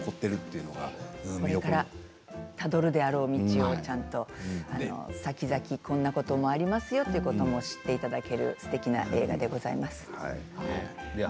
これからたどるであろう道をちゃんとさきざきこんなこともありますよと教えてくれるすてきな映画であります。